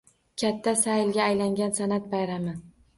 Katta saylga aylangan san’at bayrami